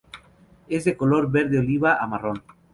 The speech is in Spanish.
Es de color verde oliva a marrón.